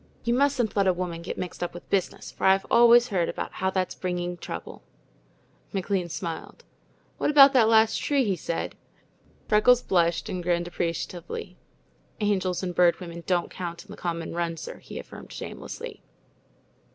You mustn't let a woman get mixed up with business, for I've always heard about how it's bringing trouble." McLean smiled. "What about that last tree?" he said. Freckles blushed and grinned appreciatively. "Angels and Bird Women don't count in the common run, sir," he affirmed shamelessly.